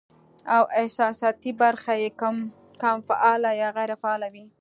او احساساتي برخه ئې کم فعاله يا غېر فعاله وي